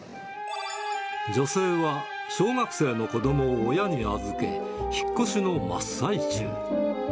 女性は小学生の子どもを親に預け、引っ越しの真っ最中。